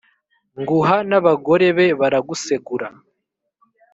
nguha n’abagore be baragusegura